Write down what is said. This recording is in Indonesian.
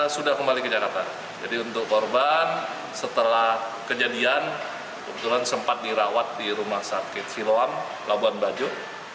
jumat siang setelah kejadian sempat dirawat di rumah sakit siloam labuan bajo